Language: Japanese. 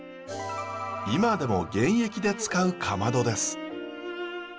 今でも現役で使うかまどです。